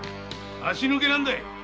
足抜けなんだ！